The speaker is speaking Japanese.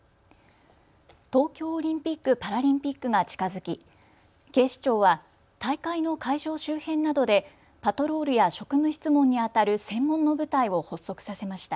東京オリンピック・パラリンピックが近づき、警視庁は大会の会場周辺などでパトロールや職務質問にあたる専門の部隊を発足させました。